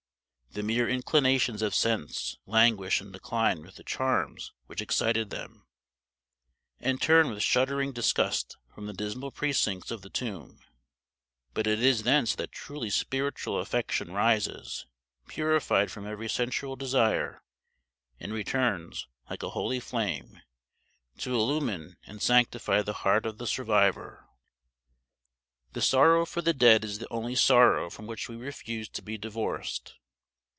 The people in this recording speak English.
The mere inclinations of sense languish and decline with the charms which excited them, and turn with shuddering disgust from the dismal precincts of the tomb; but it is thence that truly spiritual affection rises, purified from every sensual desire, and returns, like a holy flame, to illumine and sanctify the heart of the survivor. The sorrow for the dead is the only sorrow from which we refuse to be divorced.